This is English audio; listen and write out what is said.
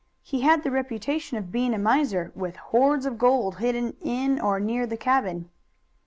He had the reputation of being a miser, with hoards of gold hidden in or near the cabin."